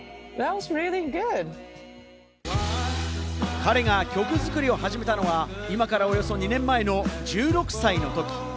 彼が曲作りを始めたのは今からおよそ２年前の１６歳のとき。